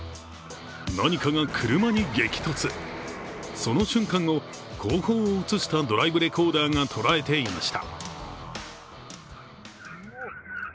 その瞬間を後方を映したドライブレコーダーが捉えていました。